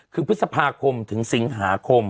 คือพฤษภาคมถึงสิงหาคม